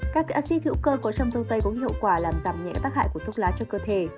các axit hữu cơ có trong rau tây có hiệu quả làm giảm nhẹ tác hại của thuốc lá cho cơ thể